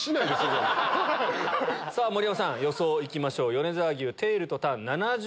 さぁ盛山さん予想いきましょう。